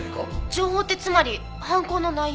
情報ってつまり犯行の内容？